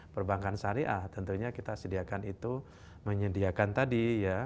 perbankan syariah tentunya kita sediakan itu menyediakan tadi ya